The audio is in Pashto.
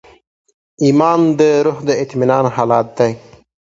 ایمان د روح د اطمینان حالت دی.